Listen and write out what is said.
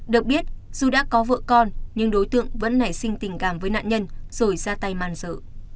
được biết dù đã có vợ con nhưng đối tượng vẫn nảy sinh tình cảm với nạn nhân rồi ra tay man sợ